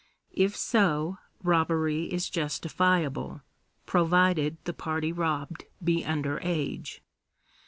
If so, robbery is justifiable, provided the party robbed be under age.